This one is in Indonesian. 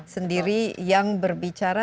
sendiri yang berbicara